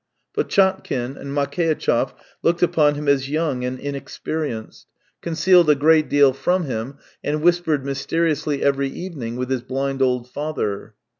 Potchatkin and Makeitchev looked upon him as young and inexperienced, concealed a great deal from him, and whispered mysteriously every evening with his blind old father.